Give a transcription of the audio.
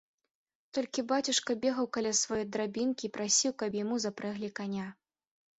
Толькі бацюшка бегаў каля сваёй драбінкі і прасіў, каб яму запрэглі каня.